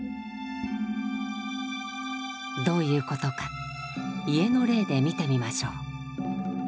どういうことか家の例で見てみましょう。